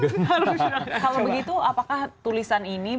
kalau begitu apakah tulisan ini